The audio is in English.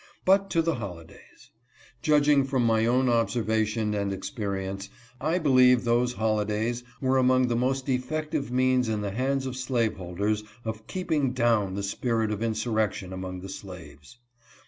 But to the holidays. Judg ing from my own observation and experience, I believe those holidays were among the most effective means in the hands of slaveholders of keeping down the spirit of insurrection among the slaves.